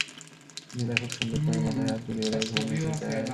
নীলা খুব সুন্দর করে মাথায় হাত বুলিয়ে দেয়, ঘুম এসে যায়।